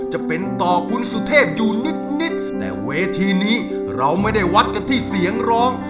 จะเป็นต่อคุณสุเทพอยู่นิดนิดแต่เวทีนี้เราไม่ได้วัดกันที่เสียงร้อง